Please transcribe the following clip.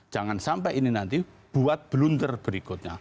jangan sampai ini nanti buat blunder berikutnya